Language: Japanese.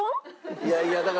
いやいやだから。